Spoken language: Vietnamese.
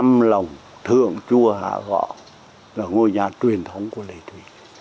năm lòng thượng chua hạ gõ là ngôi nhà truyền thống của lê thủy